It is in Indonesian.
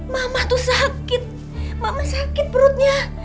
mama tuh sakit mama sakit perutnya